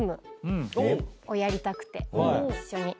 やりたくて一緒に。